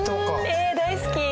え大好き。